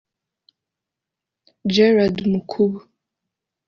Gerard Mukubu